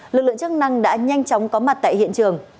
lực lượng chức năng đã nhanh chóng có mặt tại hiện trường